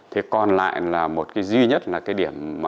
thế còn lại là một cái duy nhất là cái điểm